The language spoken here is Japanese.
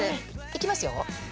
いきますよ？